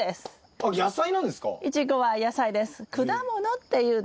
あっ野菜なんですか？